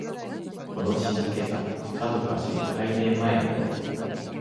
この静けさ、さぞかし開店前だろう